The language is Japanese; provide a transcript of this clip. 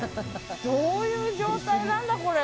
どういう状態なんだ、これ。